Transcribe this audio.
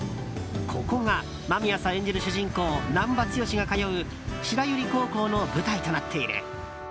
ここが間宮さん演じる主人公・難破剛が通う白百合高校の舞台となっている。